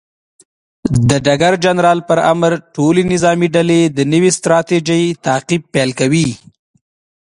د ډګر جنرال پر امر، ټولې نظامي ډلې د نوې ستراتیژۍ تعقیب پیل کوي.